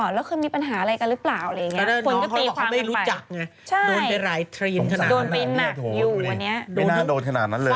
ใช่ตรงสามนาทีโถ่ะพูดดินไม่น่าโดนขนาดนั้นเลย